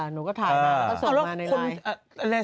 หนูก็ถ่ายมาแล้วเค้าส่งมาในไลน์